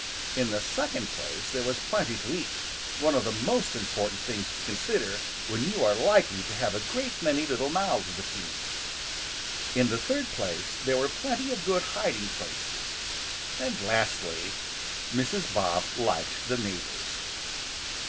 In the second place there was plenty to eat, one of the most important things to consider when you are likely to have a great many little mouths to feed. In the third place there were plenty of good hiding places, and lastly, Mrs. Bob liked the neighbors.